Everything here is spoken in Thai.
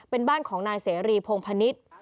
เป็นบ้านของนายเสรีพงพนิษฐ์